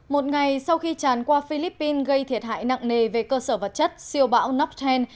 một ngày sau khi tràn qua philippines gây thiệt hại nặng nề về cơ sở vật chất siêu bão nócen